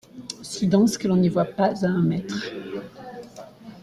Si dense que l'on n'y voit pas à un mètre.